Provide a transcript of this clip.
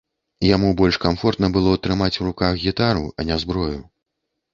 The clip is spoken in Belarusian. Яму больш камфортна было трымаць у руках гітару, а не зброю.